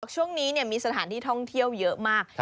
ช่วงนี้มีสถานที่ท่องเที่ยวเยอะมาก